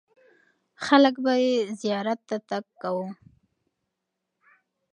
خلک به یې زیارت ته تګ کاوه.